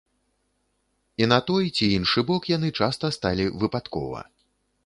І на той ці іншы бок яны часта сталі выпадкова.